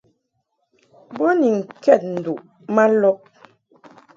Bo ni ŋkɛd nduʼ ma lɔb.